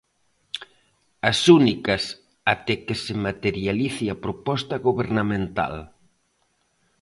As únicas até que se materialice a proposta gobernamental.